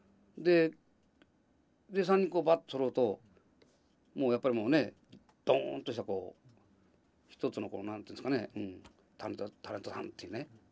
で３人バッとそろうとやっぱりもうねドンとした一つのこう何ていうんですかねタレントさんっていうね